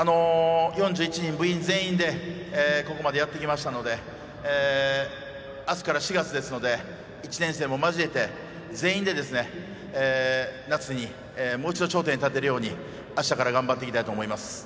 ４１人、部員全員でここまでやってきましたのであすから４月ですので１年生も交えて全員で夏にもう一度、頂点に立てるようにあしたから頑張っていきたいと思います。